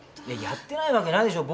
やってないわけないでしょ。